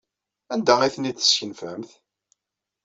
Anda ay ten-id-teskenfemt?